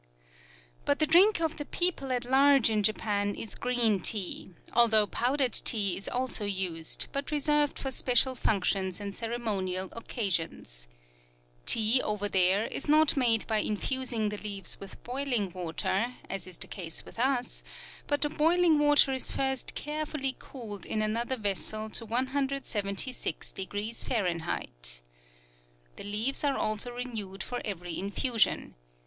But the drink of the people at large in Japan is green tea, although powdered tea is also used, but reserved for special functions and ceremonial occasions. Tea, over there, is not made by infusing the leaves with boiling water, as is the case with us; but the boiling water is first carefully cooled in another vessel to 176 degrees Fahrenheit. The leaves are also renewed for every infusion.